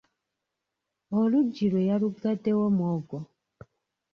Oluggi lwe yaluggaddewo mwogo